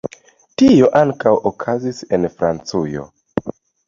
Tio ankaŭ okazis en Francujo.